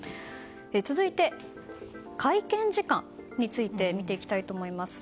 続いて、会見時間について見ていきたいと思います。